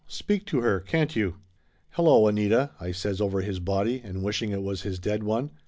Speak to her, can't you ?" "Hello, Anita," I says over his body, and wishing it was his dead one.